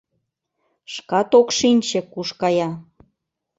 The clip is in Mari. Шкат ок шинче — куш кая...